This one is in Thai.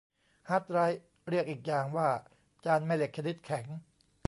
ฮาร์ดไดรฟ์ เรียกอีกอย่างว่าจานแม่เหล็กชนิดแข็ง